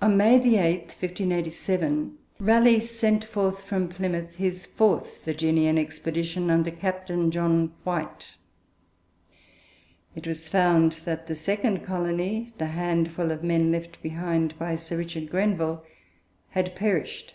On May 8, 1587, Raleigh sent forth from Plymouth his fourth Virginian expedition, under Captain John White. It was found that the second colony, the handful of men left behind by Sir Richard Grenville, had perished.